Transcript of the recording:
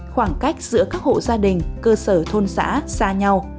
khoảng cách giữa các hộ gia đình cơ sở thôn xã xa nhau